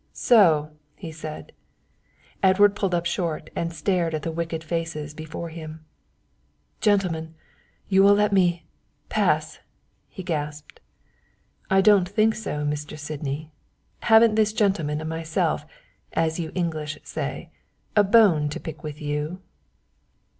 "So," he said. Edward pulled up short and stared at the wicked faces before him. "Gentlemen you will let me pass?" he gasped. "I don't think so, Mr. Sydney. Haven't this gentleman and myself, as you English say, a bone to pick with you?"